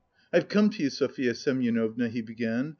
"I've come to you, Sofya Semyonovna," he began.